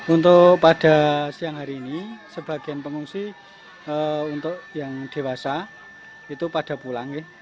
untuk pada siang hari ini sebagian pengungsi untuk yang dewasa itu pada pulang